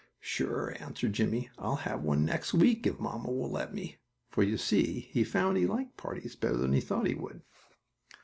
"Sure," answered Jimmie. "I'll have one next week, if mamma will let me," for you see he found he liked parties better than he thought he would.